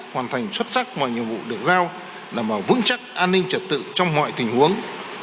hoàn thành xuất sắc mọi nhiệm vụ được giao làm vào vững chắc an ninh trật tự trong mọi tình huống